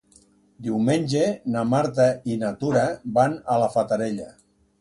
Diumenge na Marta i na Tura van a la Fatarella.